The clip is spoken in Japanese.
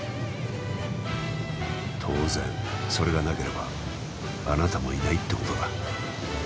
当然それがなければあなたもいないってことだ。